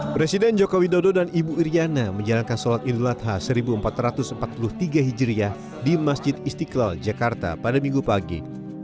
presiden joko widodo dan ibu iryana menjalankan solat idolata seribu empat ratus empat puluh tiga hijriah di masjid istiqlal jakarta pada minggu pagi